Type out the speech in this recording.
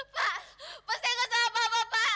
pak pasti nggak salah pak